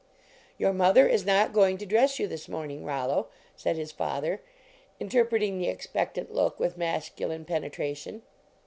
"Your mother is not going to dress you 25 LEARNING TO DRESS this morning, Rollo," said his father, in terpreting the expectant look with masculine penetration.